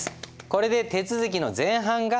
これで手続きの前半が。